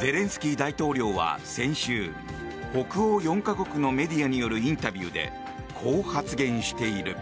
ゼレンスキー大統領は先週北欧４か国のメディアによるインタビューでこう発言している。